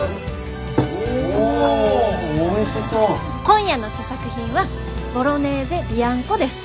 今夜の試作品はボロネーゼビアンコです！